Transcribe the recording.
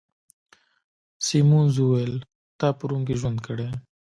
سیمونز وویل: تا په روم کي ژوند کړی؟